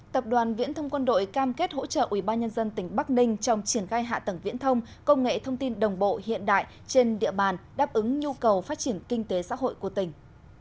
tập đoàn viễn thông quân đội cam kết hỗ trợ ubnd tỉnh bắc ninh trong triển khai hạ tầng viễn thông công nghệ thông tin đồng bộ hiện đại trên địa bàn đáp ứng nhu cầu phát triển kinh tế xã hội của tỉnh